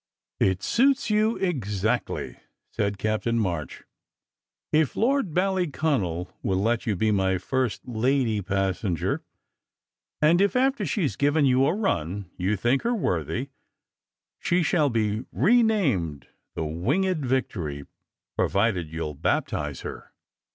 "It suits you exactly," said Captain March. "If Lord Ballyconal will let you be my first lady passenger, and if, after she s given you a run, you think her worthy, she shall be renamed the Winged Victory, provided you ll baptize her."